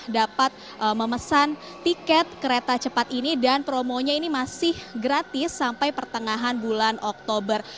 dapat memesan tiket kereta cepat ini dan promonya ini masih gratis sampai pertengahan bulan oktober